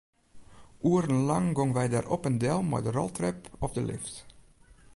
Oerenlang gongen wy dêr op en del mei de roltrep of de lift.